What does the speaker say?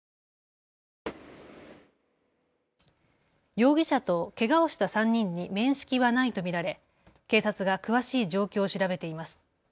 容疑者とけがをした３人に面識はないと見られ警察が詳しい状況を調べています。